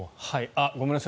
ごめんなさい。